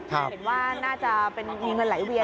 เห็นว่าน่าจะเป็นมีเงินไหลเวียน